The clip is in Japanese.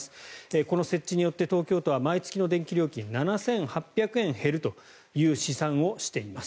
この設置によって東京都は毎月の電気料金が７８００円減るという試算をしています。